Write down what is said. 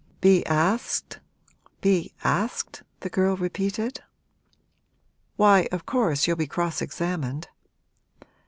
'Be asked be asked?' the girl repeated. 'Why, of course you'll be cross examined.'